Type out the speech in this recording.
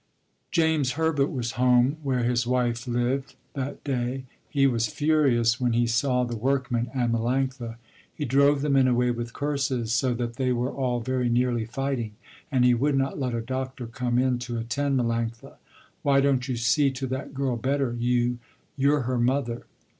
James Herbert was home where his wife lived, that day. He was furious when he saw the workmen and Melanctha. He drove the men away with curses so that they were all very nearly fighting, and he would not let a doctor come in to attend Melanctha. "Why don't you see to that girl better, you, you're her mother."